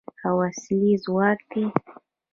او اصلي ځواک دی.